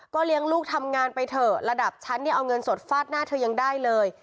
เลี้ยงลูกทำงานไปเถอะระดับฉันเนี่ยเอาเงินสดฟาดหน้าเธอยังได้เลย